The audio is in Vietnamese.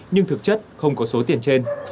nhưng thực chất không có số tiền trên